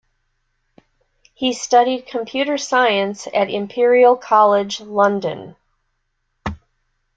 He studied computer science at Imperial College London.